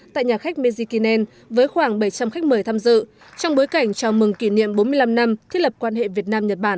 tại nhà khách mejikien với khoảng bảy trăm linh khách mời tham dự trong bối cảnh chào mừng kỷ niệm bốn mươi năm năm thiết lập quan hệ việt nam nhật bản